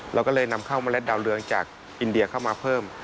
เราก็เลยนำข้าวเมล็ดดาวเรืองจากอินเดียเข้ามาเพิ่ม